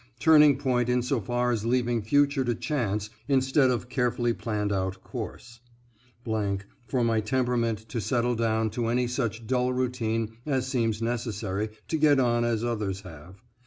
Turning point insofar as leaving future to chance instead of carefully planned out course .... for my temperament to settle down to any such dull routine as seems necessary to get on as others have.